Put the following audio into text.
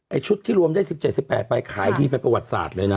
ชุดที่รวมได้๑๗๑๘ไปขายดีเป็นประวัติศาสตร์เลยนะ